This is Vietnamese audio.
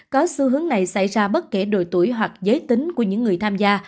có xu hướng này xảy ra bất kể độ tuổi hoặc giới tính của những người tham gia